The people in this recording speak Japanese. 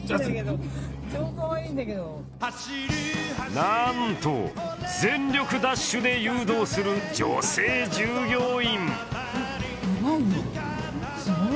なんと、全力ダッシュで誘導する女性従業員。